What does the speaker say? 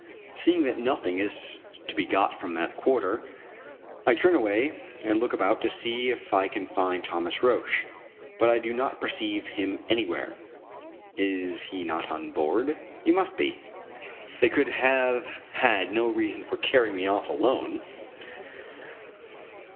Seeing that nothing is to be got from that quarter, I turn away and look about to see if I can find Thomas Roch, but I do not perceive him anywhere. Is he not on board? He must be. They could have had no reason for carrying me off alone.